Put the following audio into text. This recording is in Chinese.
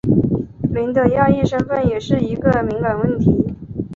林的亚裔身份也是一个敏感问题。